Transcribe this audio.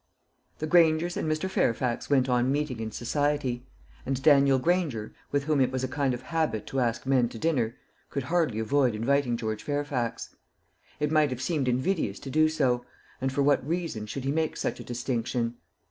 The Grangers and Mr. Fairfax went on meeting in society; and Daniel Granger, with whom it was a kind of habit to ask men to dinner, could hardly avoid inviting George Fairfax. It might have seemed invidious to do so; and for what reason should he make such a distinction?